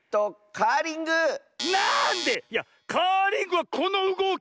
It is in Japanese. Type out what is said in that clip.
カーリングはこのうごき。